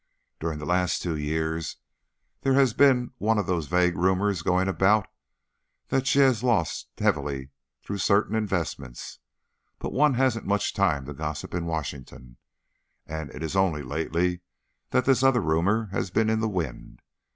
During the last two years there has been one of those vague rumours going about that she has lost heavily through certain investments; but one hasn't much time for gossip in Washington, and it is only lately that this other rumour has been in the wind.